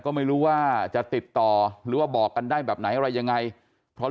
ก็ไม่รู้ว่าจะติดต่อหรือว่าบอกกันได้แบบไหนอะไรยังไงเพราะ